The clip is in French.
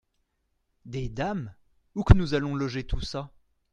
Des dames ! où que nous allons loger tout ça ?